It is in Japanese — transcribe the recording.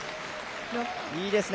いいですね。